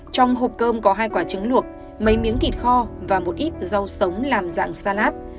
trong hộp cơm có hai quả trứng luộc mấy miếng thịt kho và một ít rau sống làm dạng sanát